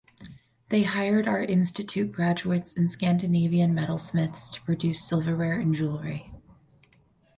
They hired Art Institute graduates and Scandinavian metalsmiths to produce silverware and jewelry.